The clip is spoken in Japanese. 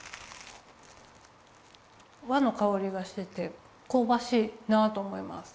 和のかおりがしててこうばしいなと思います。